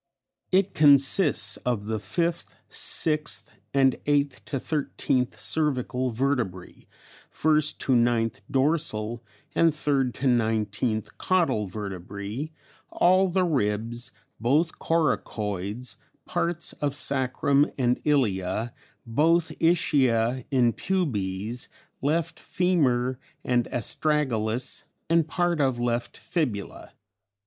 It consists of the 5th, 6th, and 8th to 13th cervical vertebrae, 1st to 9th dorsal and 3rd to 19th caudal vertebrae, all the ribs, both coracoids, parts of sacrum and ilia, both ischia and pubes, left femur and astragalus, and part of left fibula.